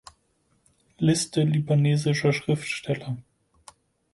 Liste libanesischer Schriftsteller